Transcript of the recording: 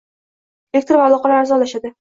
Elektr va aloqalar arzonlashadi.